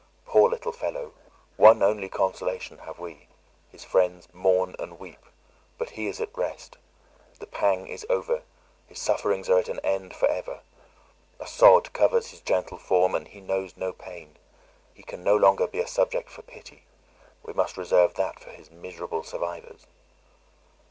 Poor little fellow! one only consolation have we; his friends mourn and weep, but he is at rest. The pang is over, his sufferings are at an end for ever. A sod covers his gentle form, and he knows no pain. He can no longer be a subject for pity; we must reserve that for his miserable survivors."